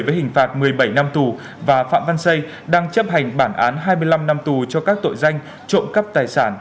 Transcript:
với hình phạt một mươi bảy năm tù và phạm văn xây đang chấp hành bản án hai mươi năm năm tù cho các tội danh trộm cắp tài sản